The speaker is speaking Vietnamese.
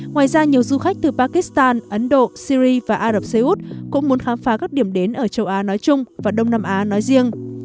ngoài ra nhiều du khách từ pakistan ấn độ syri và ả rập xê út cũng muốn khám phá các điểm đến ở châu á nói chung và đông nam á nói riêng